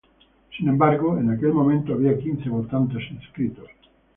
Sin embargo, en aquel momento había quince votantes inscritos.